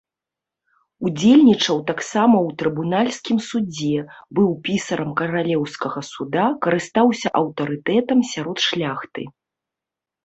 Удзельнічаў таксама ў трыбунальскім судзе, быў пісарам каралеўскага суда, карыстаўся аўтарытэтам сярод шляхты.